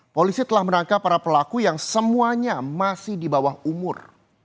polisi telah menangkap para pelaku yang semuanya masih di bawah umur